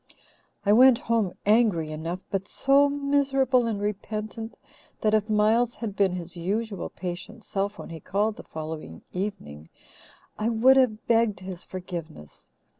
"I went home angry enough, but so miserable and repentant that if Miles had been his usual patient self when he called the following evening I would have begged his forgiveness.